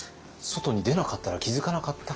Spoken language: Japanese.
外に出なかったら気付かなかった？